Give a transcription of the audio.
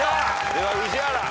では宇治原。